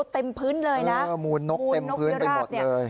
เต็มพื้นเลยนะมูลนกเต็มพื้นไปหมดเลย